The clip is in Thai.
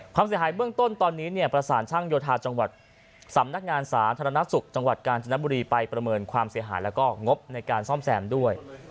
ความเสียหายเบื้องต้นตอนนี้เนี่ยประสานช่างโยธาจังหวัดสำนักงานสาธารณสุขจังหวัดกาญจนบุรีไปประเมินความเสียหายแล้วก็งบในการซ่อมแซมด้วย